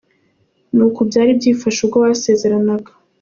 Ni uku byari byifashe ubwo basezeranaga.